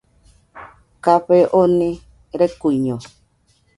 Café oni rekuiño